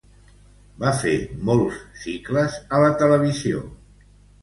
Va fer molts cicles a la televisió.